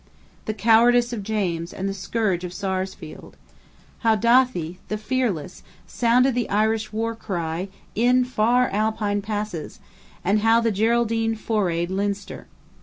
The cowardice of James and the courage of Sarsfield. How Dathi, the fearless, sounded the Irish war cry in far Alpine passes, and how the Geraldine forayed Leinster.